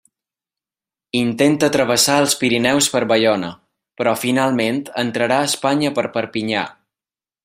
Intenta travessar els Pirineus per Baiona, però finalment entrarà a Espanya per Perpinyà.